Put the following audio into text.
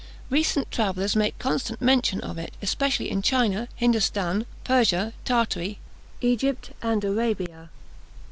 Recent travellers make constant mention of it, especially in China, Hindostan, Persia, Tartary, Egypt, and Arabia.